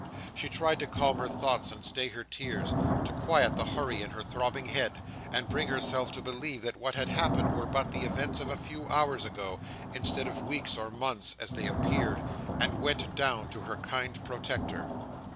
She tried to calm her thoughts and stay her tears; to quiet the hurry in her throbbing head, and bring herself to believe that what had happened were but the events of a few hours ago, instead of weeks or months, as they appeared; and went down to her kind protector.